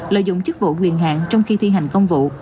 lợi dụng chức vụ quyền hạn trong khi thi hành công vụ